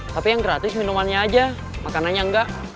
tapi yang gratis minumannya aja makanannya enggak